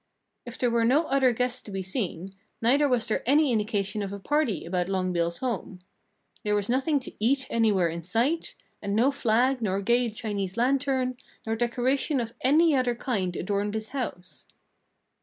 If there were no other guests to be seen, neither was there any indication of a party about Long Bill's home. There was nothing to eat anywhere in sight; and no flag, nor gay Chinese lantern, nor decoration of any other kind adorned his house.